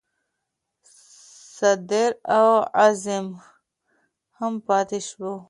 صدر اعظم هم پاتې شوی و.